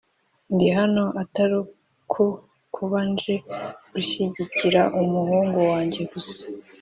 Ndi hano atari ku kuba nje gushyigikira umuhungu wanjye gusa,